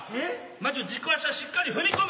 まじゅ軸足はしっかり踏み込む。